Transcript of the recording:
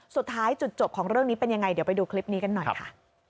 สุดท้ายจุดจบของเรื่องนี้เป็นยังไงเดี๋ยวไปดูคลิปนี้กันหน่อยค่ะ